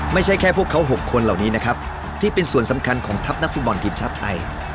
ไม่ใช่แค่พวกเขา๖คนเหล่านี้นะครับที่เป็นส่วนสำคัญของทัพนักฟุตบอลทีมชาติไทย